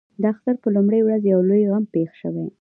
د اختر پر لومړۍ ورځ یو لوی غم پېښ شوی.